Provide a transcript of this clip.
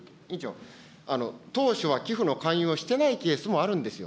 当初は寄付の勧誘をしていないケースもあるんですよ。